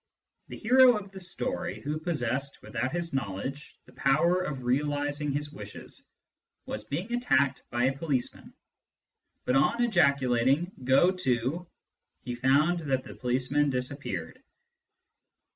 The hero of the story, who possessed, without his knowledge, the power of realising his wishes, was being attacked by a policeman, but on ejaculating "Go to " he found that the policeman disappeared.